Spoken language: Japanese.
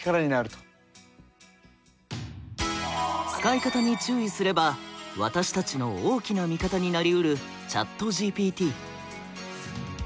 使い方に注意すれば私たちの大きな味方になりうるＣｈａｔＧＰＴ。